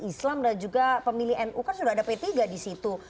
islam dan juga pemilih nu kan sudah ada p tiga di situ